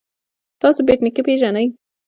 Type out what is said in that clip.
تاسو بېټ نیکه پيژنئ.